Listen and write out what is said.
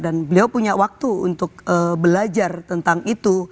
dan beliau punya waktu untuk belajar tentang itu